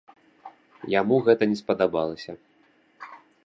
Яму гэта не спадабалася.